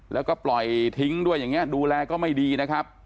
แล้วก็ปล่อยทิ้งด้วยอย่างนี้ดูแลก็ไม่ดีนะครับ